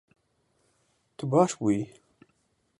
Tu baş bûyî